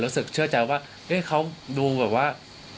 รู้สึกเชื่อใจว่าเฮ้ยเขาดูแบบว่า